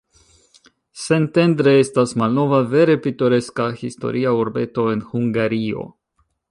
Szentendre estas malnova, vere pitoreska historia urbeto en Hungario.